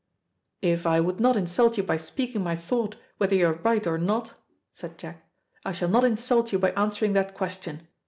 "If I would not insult you by speaking my thought whether you are right or not," said Jack, "I shall not insult you by answering that question.